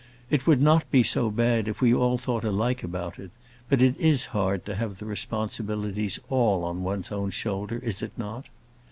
It would not be so bad if we all thought alike about it; but it is hard to have the responsibilities all on one's own shoulder; is it not?